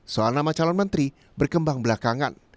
soal nama calon menteri berkembang belakangan